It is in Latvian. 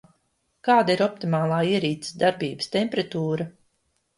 Kāda ir optimālā ierīces darbības temperatūra?